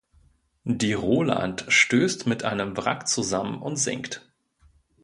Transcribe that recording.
Die „Roland“ stößt mit einem Wrack zusammen und sinkt.